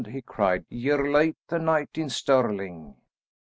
he cried, "ye're late the night in Stirling."